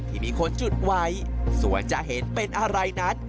ที่มีคนจุดไว้ส่วนจะเห็นเป็นอะไรนั้น